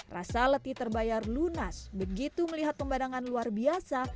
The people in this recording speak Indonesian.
rasa letih terbayar lunas begitu melihat pembadangan luar biasa